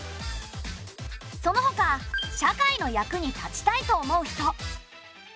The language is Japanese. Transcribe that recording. そのほか社会の役に立ちたいと思う人